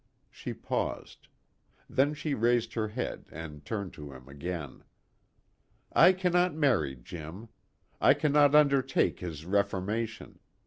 She paused. Then she raised her head and turned to him again. "I cannot marry Jim. I cannot undertake his reformation.